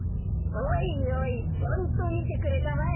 おいおいちゃんとみてくれたまえ。